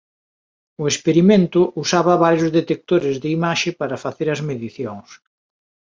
O experimento usaba varios detectores de imaxe para facer as medicións.